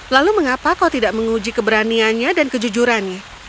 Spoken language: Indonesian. lalu mengapa kau tidak menguji keberaniannya dan kejujurannya